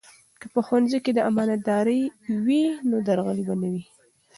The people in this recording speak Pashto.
که په ښوونځي کې امانتداري وي نو درغلي به نه وي.